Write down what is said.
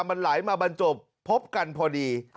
มันไหลมาบรรจบพบกันพอดี